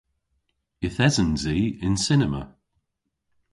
Yth esens i y'n cinema.